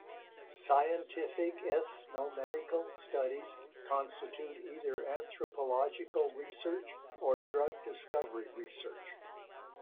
Scientific ethnomedical studies constitute either anthropological research or drug discovery research.